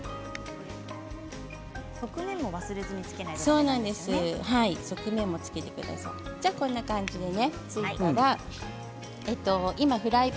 側面も忘れずにつけなきゃいけないですね。